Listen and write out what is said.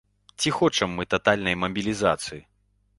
Ці хочам мы татальнай мабілізацыі?